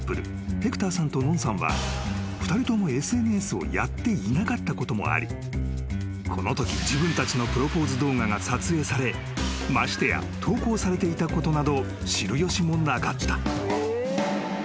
ヘクターさんとノンさんは２人ともＳＮＳをやっていなかったこともありこのとき自分たちのプロポーズ動画が撮影されましてや投稿されていたことなど知る由もなかった］